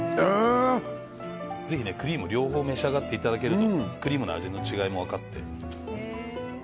ぜひ、クリームを両方召し上がっていただけるとクリームの味の違いも分かって。